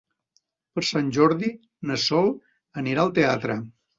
Per Sant Jordi na Sol anirà al teatre.